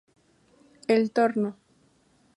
El Torno.